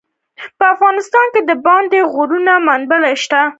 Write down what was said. په افغانستان کې د پابندی غرونه منابع شته.